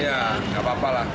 ya gapapa lah